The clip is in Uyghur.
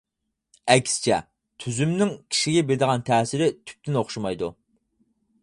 ئەكسىچە، تۈزۈمنىڭ كىشىگە بېرىدىغان تەسىرى تۈپتىن ئوخشىمايدۇ.